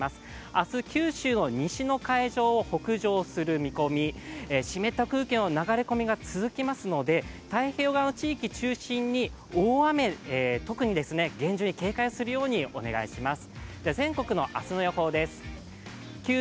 明日、九州の西の海上を北上する見込み、湿った空気の流れ込みが続きますので、太平洋側の地域中心に大雨、厳重に警戒するようお願いします。